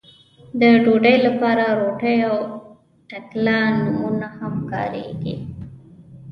د ډوډۍ لپاره روټۍ او ټکله نومونه هم کاريږي.